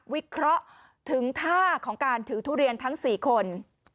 วิเคราะห์ถึงท่าของการถือทุเรียนทั้ง๔คน